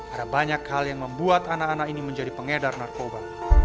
ada banyak hal yang membuat anak anak ini menjadi pengedar narkoba